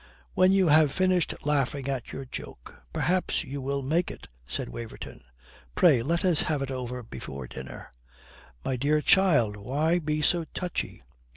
"When you have finished laughing at your joke, perhaps you will make it," said Waverton. "Pray let us have it over before dinner." "My dear child, why be so touchy?